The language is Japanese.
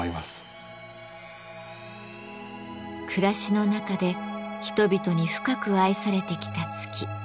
暮らしの中で人々に深く愛されてきた月。